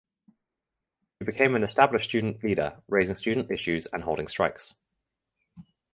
He became an established student leader raising student issues and holding strikes.